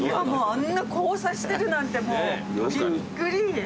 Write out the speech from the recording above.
あんな交差してるなんてもうびっくり！